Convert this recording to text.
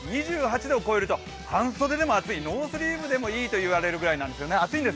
２８度を超えると半袖でも暑いノースリーブでもいいという時期なんですよね。